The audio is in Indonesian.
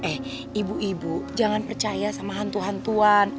eh ibu ibu jangan percaya sama hantu hantuan